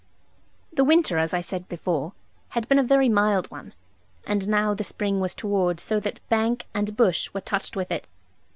The winter (as I said before) had been a very mild one; and now the spring was toward so that bank and bush were touched with it.